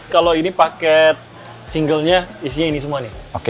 kalau ini paket singlenya isinya ini semua nih